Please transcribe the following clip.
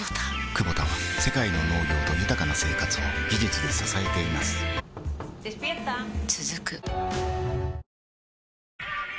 クボタは世界の農業と豊かな生活を技術で支えています起きて。